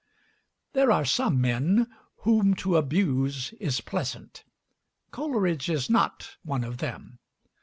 There are some men whom to abuse is pleasant. Coleridge is not one of them.